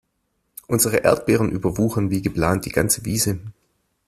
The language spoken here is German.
Unsere Erdbeeren überwuchern wie geplant die ganze Wiese.